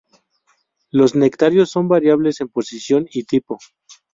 Los nectarios son variables en posición y tipo.